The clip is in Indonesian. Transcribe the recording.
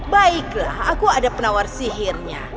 baiklah aku ada penawar sihirnya